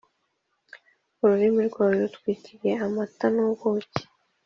ururimi rwawe rutwikiriye amata n’ubuki.